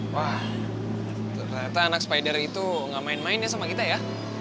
wah ternyata anak spider itu gak main main ya sama kita ya